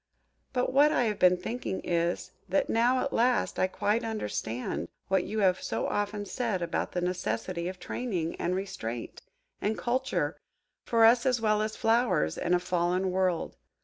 But what I have been thinking is, that now, at last, I quite understand what you have so often said about the necessity of training, and restraint, and culture, for us as well as for flowers, in a fallen world.